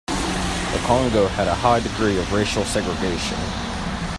The Congo had a high degree of racial segregation.